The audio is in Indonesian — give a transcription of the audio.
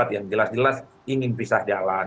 yang jelas jelas ingin pisah jalan